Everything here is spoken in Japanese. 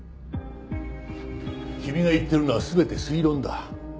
君が言ってるのは全て推論だ。